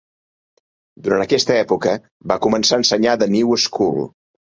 Durant aquesta època va començar a ensenyar a The New School.